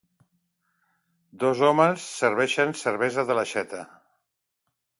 Dos homes serveixen cervesa de l'aixeta.